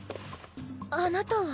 あなたは？